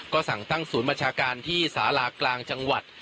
ก็สั่งตั้งศูนย์บัญชาการที่สารากลางจังหวัด